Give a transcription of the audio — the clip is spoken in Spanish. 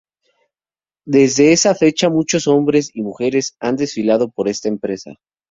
Desde esa fecha muchos hombres y mujeres han desfilado por esta empresa.